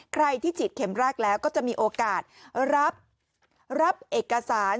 ใครที่ฉีดเข็มแรกแล้วก็จะมีโอกาสรับเอกสาร